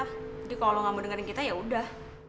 jadi kalo lo gak mau dengerin kita yaudah